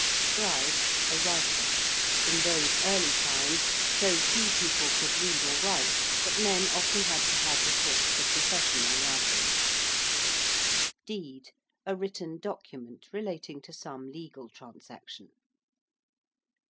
~scribe~: a writer. In those early times so few people could read or write that men often had to have recourse to professional writers. ~deed~: a written document relating to some legal transaction.